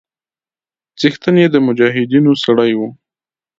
څښتن يې د مجاهيدنو سړى و.